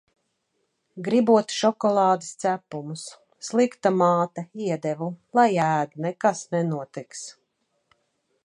Gribot šokolādes cepumus. Slikta māte – iedevu. Lai ēd, nekas nenotiks.